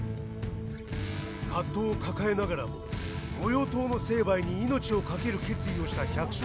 葛藤を抱えながらも御用盗の成敗に命をかける決意をした百姓たち。